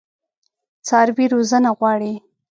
څاروي روزنه غواړي.